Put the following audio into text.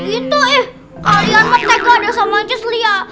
itu eh kalian mertek ada sama njus lia